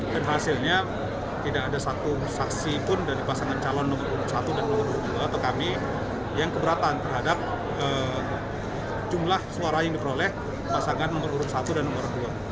dan hasilnya tidak ada satu saksi pun dari pasangan calon nomor satu dan nomor dua atau kami yang keberatan terhadap jumlah suara yang diperoleh pasangan nomor satu dan nomor dua